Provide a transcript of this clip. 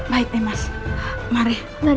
baik nih mas mari